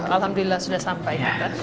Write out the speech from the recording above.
alhamdulillah sudah sampai